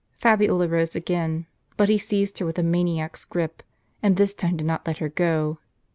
" Fabiola rose again, but he seized her with a maniac's gripe, and this time did not let her go.